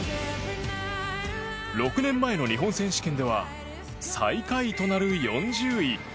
６年前の日本選手権では最下位となる４０位。